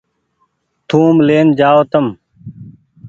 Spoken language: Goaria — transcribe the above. ٿوم لين جآئو تم ۔